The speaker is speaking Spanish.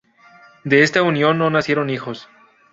De esta unión no nacieron hijos.